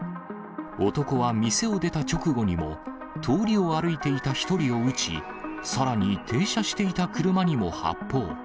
男は店を出た直後にも、通りを歩いていた１人を撃ち、さらに停車していた車にも発砲。